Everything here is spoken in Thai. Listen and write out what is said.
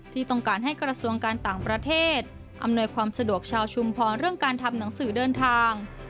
ที่ต้องการให้กระทรวงการต่างประเทศอำนวยความสะดวกชาวชุมพรเรื่องการทำหนังสือเดินทาง